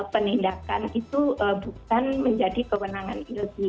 penindakan itu bukan menjadi kewenangan ilsi